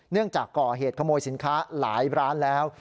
จากก่อเหตุขโมยสินค้าหลายร้านแล้ว